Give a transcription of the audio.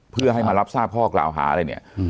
เพื่อให้มารับทราบข้อกล่าวหาอะไรเนี่ย